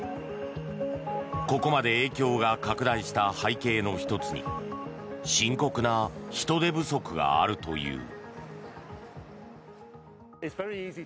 ここまで影響が拡大した背景の１つに深刻な人手不足があるという。